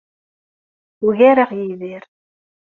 Ugareɣ Yidir.